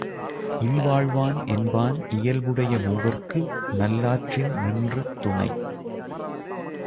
இல்வாழ்வான் என்பான் இயல்புடைய மூவர்க்கு நல்லாற்றின் நின்ற துணை.